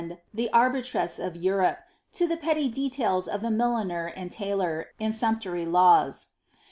lOT knd the urbitreM of Europe, to the petty detBile of the miUiner and tulor, in ramptnary laws.